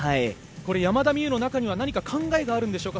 山田美諭の中には何か考えがあるんでしょうか？